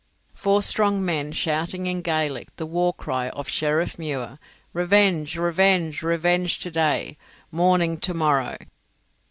Four strong men, shouting in Gaelic the war cry of Sheriffmuir, "Revenge, revenge, revenge to day, mourning to morrow!"